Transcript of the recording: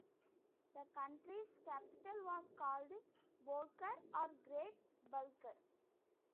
The country's capital was called Bolghar or Great "Bulgar".